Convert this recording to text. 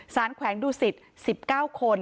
สารแขวงดูสิทธิ์๑๙คน